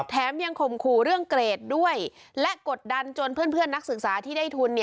แถมยังข่มขู่เรื่องเกรดด้วยและกดดันจนเพื่อนนักศึกษาที่ได้ทุน